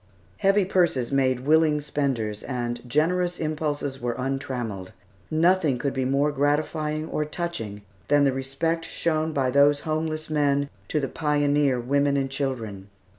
Heavy purses made willing spenders, and generous impulses were untrammelled. Nothing could be more gratifying or touching than the respect shown by those homeless men to the pioneer women and children.